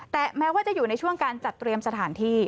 แต่แม้ว่าจะอยู่ในช่วงการจัดเตรียมสถานที่